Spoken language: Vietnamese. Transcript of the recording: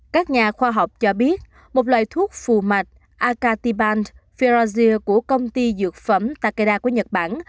các nhà khoa học cho biết một loài thuốc phù mạch akatibaban ferrasir của công ty dược phẩm takeda của nhật bản